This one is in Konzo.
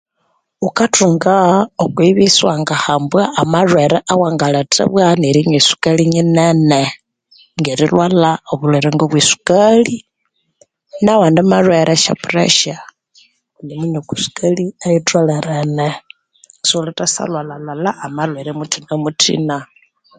Wukathunga okwibya isiwangahambwa amalhwere awangalethebwa nerinya e sukali nyinene, ngerilhwalha obulhwere ngobwe esukali nawandi malwere esya pressure kundi wunemunywa esukali eyitholerene sighuli thasya lhwalhalhwalha amalhwere muthina muthina.